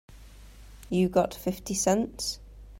You got fifty cents?